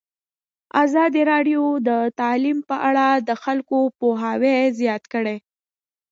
ازادي راډیو د تعلیم په اړه د خلکو پوهاوی زیات کړی.